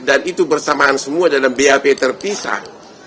dan itu bersamaan semua dalam bap terpisah